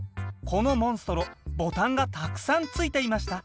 このモンストロボタンがたくさんついていました